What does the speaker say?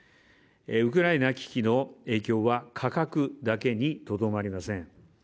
ウクライナ危機の影響は、価格だけにとどまりません。